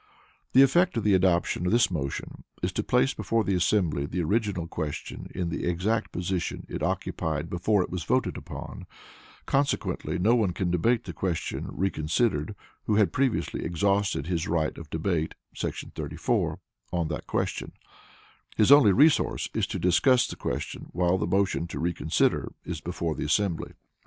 The Effect of the adoption of this motion is to place before the assembly the original question in the exact position it occupied before it was voted upon; consequently no one can debate the question reconsidered who had previously exhausted his right of debate [§ 34] on that question; his only resource is to discuss the question while the motion to reconsider is before the assembly.